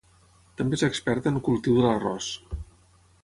També és experta en cultiu de l'arròs.